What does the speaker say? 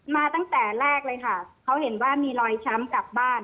มาตั้งแต่แรกเลยค่ะเขาเห็นว่ามีรอยช้ำกลับบ้าน